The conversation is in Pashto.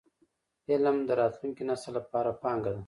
علم د راتلونکي نسل لپاره پانګه ده.